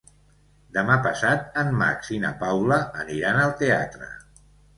Demà passat en Max i na Paula aniran al teatre.